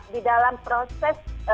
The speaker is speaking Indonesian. di dalam proses